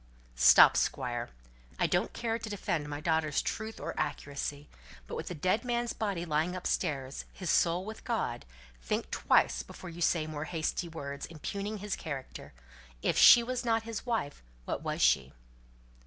"Stop, Squire. I don't care to defend my daughter's truth or accuracy. But with the dead man's body lying upstairs his soul with God think twice before you say more hasty words, impugning his character; if she was not his wife, what was she?"